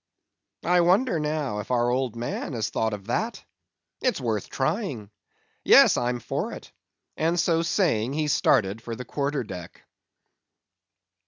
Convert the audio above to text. I wonder now if our old man has thought of that. It's worth trying. Yes, I'm for it;" and so saying he started for the quarter deck.